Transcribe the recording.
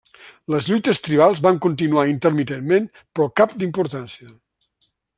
Les lluites tribals van continuar intermitentment però cap d'importància.